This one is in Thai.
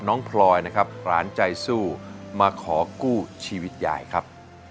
พลอยนะครับหลานใจสู้มาขอกู้ชีวิตยายครับ